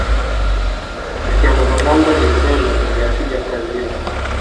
cristiano ronaldo ni mreno mwenye asili ya brazil